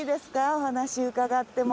お話伺っても。